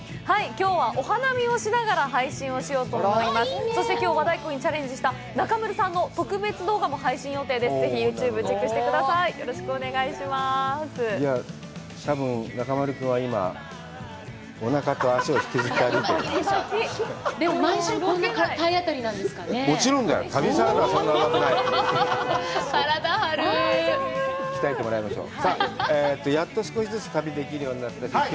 はい、きょうはお花見をしながら配信をしようと思います。